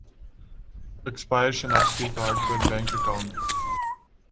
expire شناختی card پر bank account